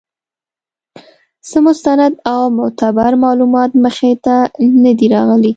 څۀ مستند او معتبر معلومات مخې ته نۀ دي راغلي